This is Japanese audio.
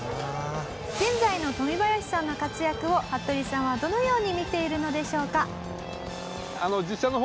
現在のトミバヤシさんの活躍を服部さんはどのように見ているのでしょうか？